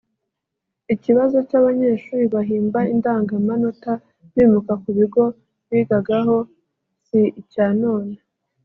Ikibazo cy’abanyeshuri bahimba indangamanota bimuka ku bigo bigagaho si icya none